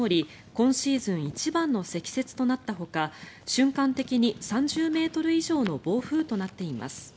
今シーズン一番の積雪となったほか瞬間的に３０ｍ以上の暴風となっています。